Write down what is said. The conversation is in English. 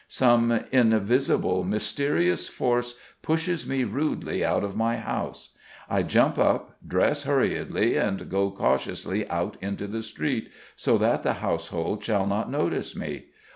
Some invisible, mysterious force pushes me rudely out of my house. I jump up, dress hurriedly, and go cautiously out into the street so that the household shall not notice me.